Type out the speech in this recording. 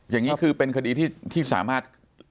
อย่างนี้คือเป็นคดีที่สามารถ